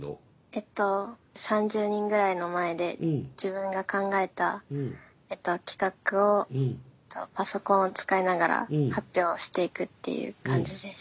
えっと３０人ぐらいの前で自分が考えたえっと企画をパソコンを使いながら発表していくっていう感じです。